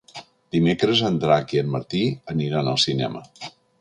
Dimecres en Drac i en Martí aniran al cinema.